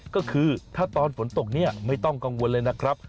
ก็คือถ้าตอนฝนตกเนี่ยไม่ต้องกังวลเลยนะครับ